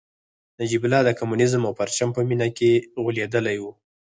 نجیب الله د کمونیزم او پرچم په مینه کې غولېدلی و